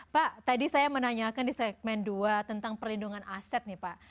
pak tadi saya menanyakan di segmen dua tentang perlindungan aset nih pak